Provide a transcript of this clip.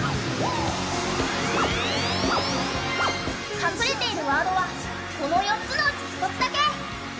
隠れているワードはこの４つのうち１つだけ。